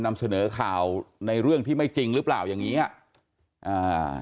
นำเสนอข่าวในเรื่องที่ไม่จริงหรือเปล่าอย่างงี้อ่ะอ่า